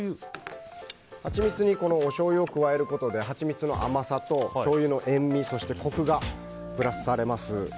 ハチミツにおしょうゆを加えることでハチミツの甘さとしょうゆの塩みそしてコクがプラスされます。